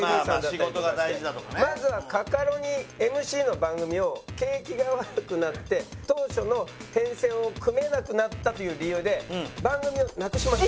まずはカカロニＭＣの番組を景気が悪くなって当初の編成を組めなくなったという理由で番組をなくしました。